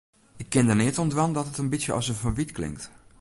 Ik kin der neat oan dwaan dat it in bytsje as in ferwyt klinkt.